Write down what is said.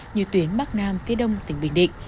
như tuyến bắc nam phía đông tỉnh bình định